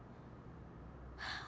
はあ。